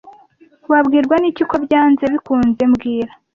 Wabwirwa n'iki ko byanze bikunze mbwira